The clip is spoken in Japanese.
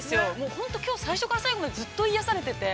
本当きょう最初から最後までずっと癒やされてて。